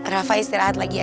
rafa istirahat lagi ya